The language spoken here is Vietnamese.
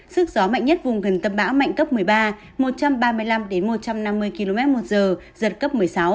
sức gió mạnh nhất vùng gần tâm bão mạnh cấp một mươi ba một trăm ba mươi năm một trăm năm mươi km một giờ giật cấp một mươi sáu